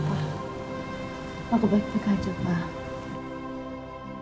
aku baik baik aja pak